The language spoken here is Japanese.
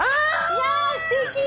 いやすてき！